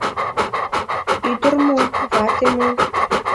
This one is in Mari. Ӱдыр мо, вате мо